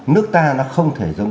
nước ta nó không thể giống